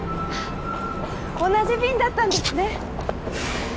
同じ便だったんですね来た！